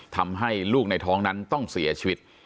ทำให้ลูกในท้องนั้นต้องเสียชีวิต